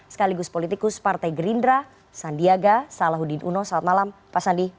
sekaligus politikus partai gerindra sandiaga salahuddin uno selamat malam pak sandi